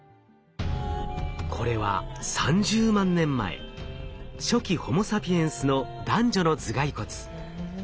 これは３０万年前初期ホモサピエンスの男女の頭蓋骨。